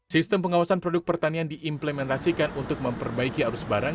sistem pengawasan produk pertanian diimplementasikan untuk memperbaiki arus barang